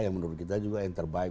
yang menurut kita juga yang terbaik